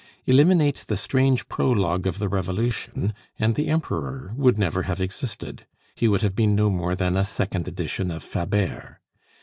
Eliminate the strange prologue of the Revolution, and the Emperor would never have existed; he would have been no more than a second edition of Fabert.